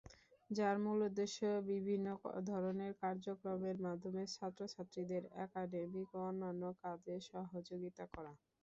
যার মুল উদ্দেশ্য বিভিন্ন ধরনের কার্যক্রমের মাধ্যমে ছাত্র-ছাত্রীদের একাডেমিক ও অন্যান্য কাজে সহযোগীতা করা।